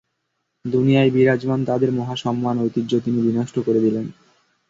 দুনিয়ায় বিরাজমান তাদের মহা সম্মান ঐতিহ্য তিনি বিনষ্ট করে দিলেন।